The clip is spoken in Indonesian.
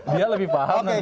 dia lebih paham nanti